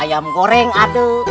ayam goreng aduh